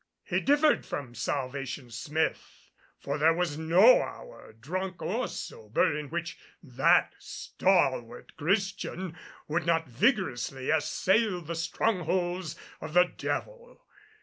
He differed from Salvation Smith, for there was no hour, drunk or sober, in which that stalwart Christian would not vigorously assail the strongholds of the devil.